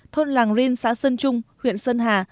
thôn làng riên xã sơn trung huyện sơn hà